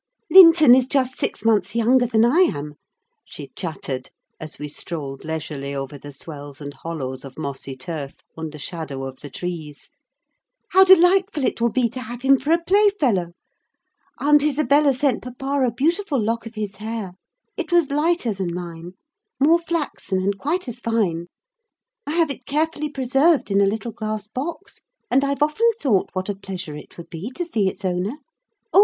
"Linton is just six months younger than I am," she chattered, as we strolled leisurely over the swells and hollows of mossy turf, under shadow of the trees. "How delightful it will be to have him for a playfellow! Aunt Isabella sent papa a beautiful lock of his hair; it was lighter than mine—more flaxen, and quite as fine. I have it carefully preserved in a little glass box; and I've often thought what a pleasure it would be to see its owner. Oh!